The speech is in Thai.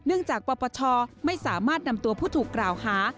เนื่องจากประปัชชอมไม่สามารถนำตัวผู้ถูกกล่าวฮา